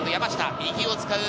右を使う。